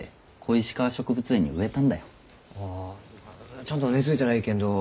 ちゃんと根づいたらえいけんど。